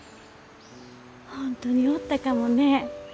本当におったかもね。